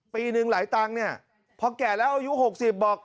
ปีหนึ่งหลายตังค์เนี่ยพอแก่แล้วอายุ๖๐บอก